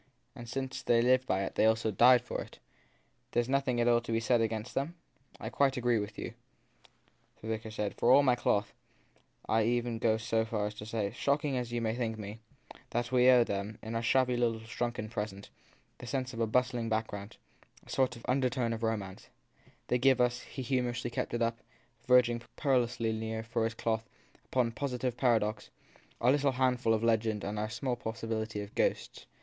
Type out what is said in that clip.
And since if they lived by it they also died for it There s nothing at all to be said against them ? I quite agree with you, the vicar laughed, ( for all my cloth ; and I even go so far as to say, shocking as you may think me, that we owe them, in our shabby little shrunken present, the sense of a bustling background, a sort of undertone of romance. 258 THE THIRD PERSON They give us he humorously kept it up, verging perilously near, for his cloth, upon positive paradox our little hand ful of legend and our small possibility of ghosts.